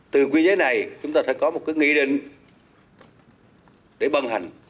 từ quy chế này chúng ta sẽ có một cái nghị định để băng hành